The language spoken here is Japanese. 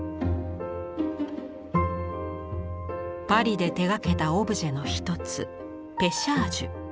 パリで手がけたオブジェの一つ「ペシャージュ」。